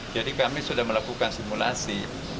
kami sudah melakukan simulasi